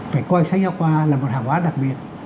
phải coi sách giáo khoa là một hàng hóa đặc biệt